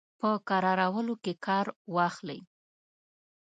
په کرارولو کې کار واخلي.